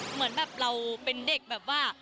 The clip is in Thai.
เหมือนแบบเราเป็นเด็กแบบว่า